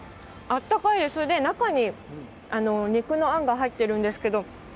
あったかいです、それで中に、肉のあんが入ってるんですけど。